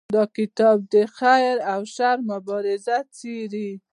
دا کتاب د خیر او شر مبارزه څیړي.